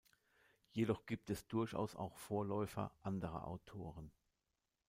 Jedoch gibt es durchaus auch Vorläufer anderer Autoren.